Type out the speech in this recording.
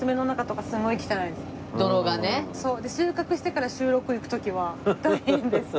収穫してから収録行く時は大変です。